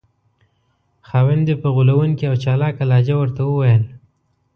خاوند یې په غولونکې او چالاکه لهجه ورته وویل.